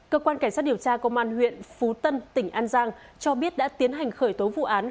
cơ quan cảnh sát điều tra công an huyện phú tân tỉnh an giang cho biết đã tiến hành khởi tố vụ án